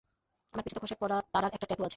আমার পিঠে তো খসে পড়া তারার একটা ট্যাটু আছে!